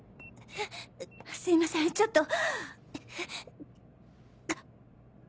すいませんちょっと。